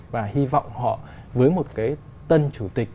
và hy vọng họ với một cái tân chủ tịch